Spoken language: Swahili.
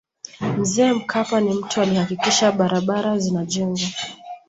mzee mkapa ni mtu alihakikisha barabara zinajengwa